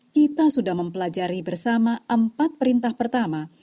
kita sudah mempelajari bersama empat perintah pertama